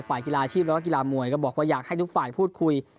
กีฬาอาชีพแล้วก็กีฬามวยก็บอกว่าอยากให้ทุกฝ่ายพูดคุย